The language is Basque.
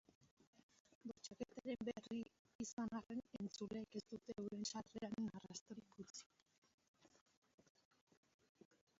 Bortxaketaren berri izan arren, erantzuleek ez dute euren sarreraren arrastorik utzi.